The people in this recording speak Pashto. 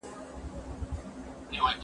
زه اجازه لرم چي ونې ته اوبه ورکړم؟